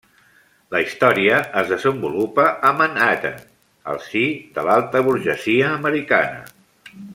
La història es desenvolupa a Manhattan al si de l'alta burgesia americana.